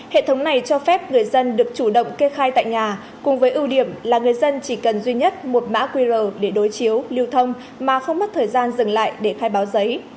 hệ thống này cho phép người dân được chủ động kê khai tại nhà cùng với ưu điểm là người dân chỉ cần duy nhất một mã qr để đối chiếu lưu thông mà không mất thời gian dừng lại để khai báo giấy